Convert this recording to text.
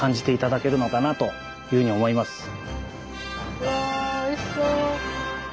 うわおいしそう。